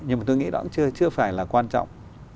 nhưng mà tôi nghĩ đó cũng chưa phải là quan trọng